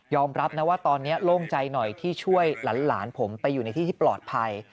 รับนะว่าตอนนี้โล่งใจหน่อยที่ช่วยหลานผมไปอยู่ในที่ที่ปลอดภัย